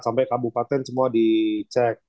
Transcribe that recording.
sampai kabupaten semua dicek